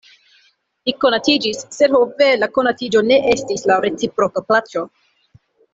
Ni konatiĝis, sed ho ve! la konatiĝo ne estis laŭ reciproka plaĉo.